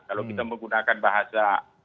kalau kita menggunakan bahasa